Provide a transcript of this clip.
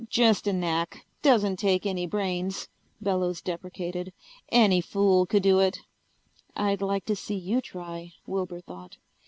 "Just a knack. Doesn't take any brains," Bellows deprecated. "Any fool could do it." I'd like to see you try, Wilbur thought.